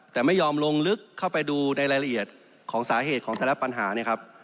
แต่ไม่ยอมลงลึกเข้าไปดูในรายละเอียดของสาเหตุของแต่ละปัญหาเนี่ยครับ